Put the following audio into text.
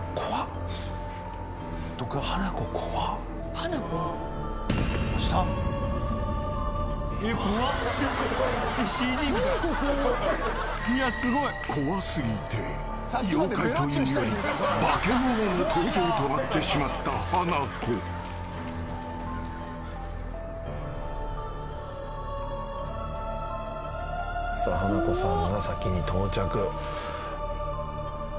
「花子怖っ」［怖過ぎて妖怪というより化け物の登場となってしまった花子］さあ花子さんが先に到着。